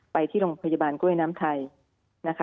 ไปที่โรงพยาบาลกล้วยน้ำไทยนะคะ